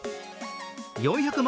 ４００万